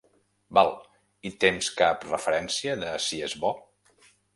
Val, i tens cap referència de si és bo?